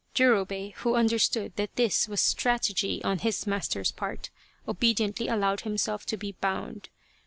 Jurobei, who understood that this was strategy on his master's part, obediently allowed himself to be bound.